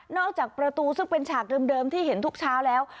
จากประตูซึ่งเป็นฉากเดิมที่เห็นทุกเช้าแล้ว